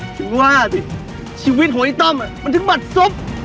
ถึงว่าดิชีวิตของไอ้ต้อมมันถึงบัดซุบ